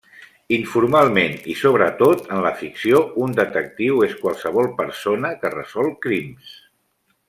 Informalment i sobretot en la ficció, un detectiu és qualsevol persona que resol crims.